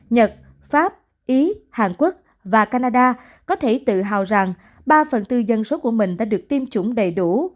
nhật pháp ý hàn quốc và canada có thể tự hào rằng ba phần tư dân số của mình đã được tiêm chủng đầy đủ